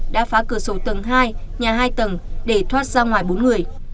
đã phá cửa sổ tầng hai nhà hai tầng để thoát ra ngoài bốn người